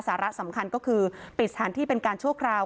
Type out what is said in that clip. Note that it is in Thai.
สาระสำคัญก็คือปิดสถานที่เป็นการชั่วคราว